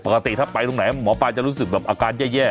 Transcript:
ปกติถ้าไปตรงไหนหมอปลาจะรู้สึกแบบอาการแย่